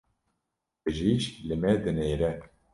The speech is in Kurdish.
Bijîşk li me dinêre.